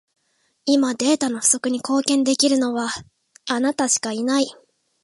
今、データの不足に貢献できるのは、あなたしかいない。